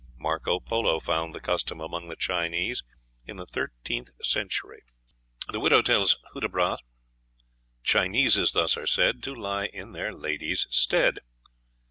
Marco Polo found the custom among the Chinese in the thirteenth century. The widow tells Hudibras "Chineses thus are said To lie in in their ladies' stead."